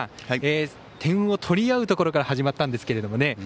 点を取り合うところから始まったんですけどね。